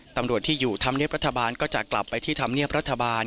ตำรวจที่อยู่ธรรมเนียบรัฐบาลก็จะกลับไปที่ธรรมเนียบรัฐบาล